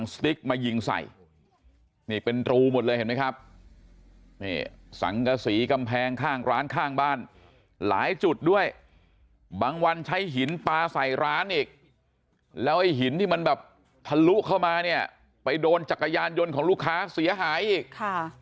สั่งซีกำแพงข้างร้านข้างบ้านหลายจุดด้วยบางวันใช้หินปลาใส่ร้านอีก